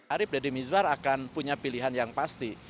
arief dedy miswar akan punya pilihan yang pasti